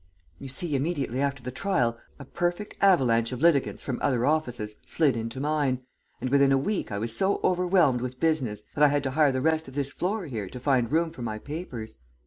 You see, immediately after the trial a perfect avalanche of litigants from other offices slid into mine, and within a week I was so overwhelmed with business that I had to hire the rest of this floor here to find room for my papers.